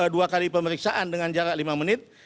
dua kali pemeriksaan dengan jarak lima menit